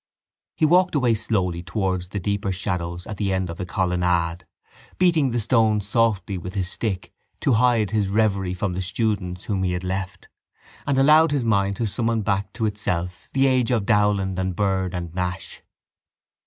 He walked away slowly towards the deeper shadows at the end of the colonnade, beating the stone softly with his stick to hide his reverie from the students whom he had left: and allowed his mind to summon back to itself the age of Dowland and Byrd and Nash.